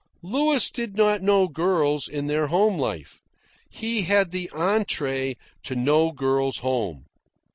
Louis did not know girls in their home life. He had the entree to no girl's home.